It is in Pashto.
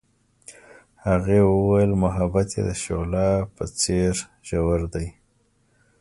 هغې وویل محبت یې د شعله په څېر ژور دی.